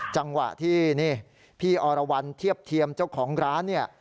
จังหวะที่นี่พี่อรวรรณเทียบเทียมเจ้าของร้านเนี่ย